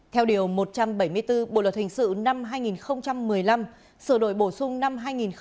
theo điều một trăm bảy mươi bốn bộ luật hình sự năm hai nghìn một mươi năm sửa đổi bổ sung năm hai nghìn một mươi bảy